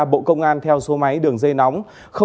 bộ công an theo số máy đường dây nóng